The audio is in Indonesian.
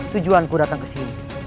tujuanku datang ke sini